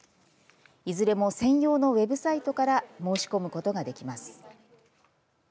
いずれも専用のウェブサイトから申し込むことができます。